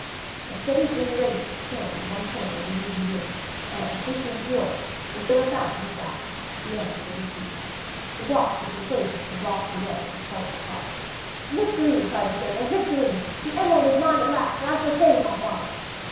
A steady, green radiance shone in one corner of the weedy room, and hastening toward it, the sailor found, at last, the Emerald of the Sea. The box which had enclosed it had rotted away and fallen apart. "Victory!" cried the sailor, "victory! The emerald is mine at last, and I shall save my father."